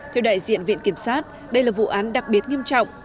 theo đại diện viện kiểm sát đây là vụ án đặc biệt nghiêm trọng